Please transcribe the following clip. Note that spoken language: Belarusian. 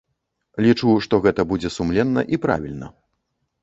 Лічу, што гэта будзе сумленна і правільна.